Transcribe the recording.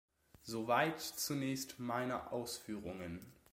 Soweit zunächst meine Ausführungen.